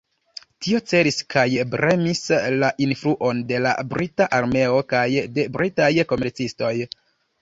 Tio celis kaj bremsi la influon de la brita armeo kaj de britaj komercistoj.